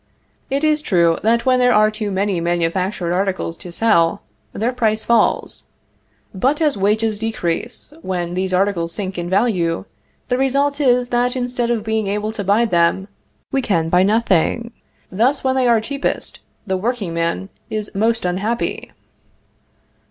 "It is true, that when there are too many manufactured articles to sell, their price falls; but as wages decrease when these articles sink in value, the result is, that, instead of being able to buy them, we can buy nothing. Thus, when they are cheapest, the workingman is most unhappy."